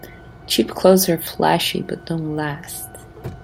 Cheap clothes are flashy but don't last.